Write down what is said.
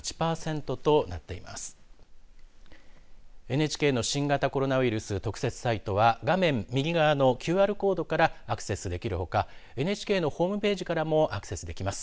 ＮＨＫの新型コロナウイルス特設サイトは画面右側のＱＲコードからアクセスできるほかＮＨＫのホームページからもアクセスできます。